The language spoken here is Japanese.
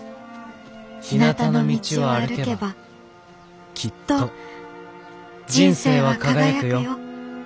ひなたの道を歩けばきっと人生は輝くよ」。